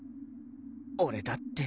俺だって。